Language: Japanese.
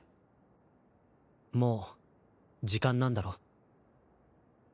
もう時間なんだろ？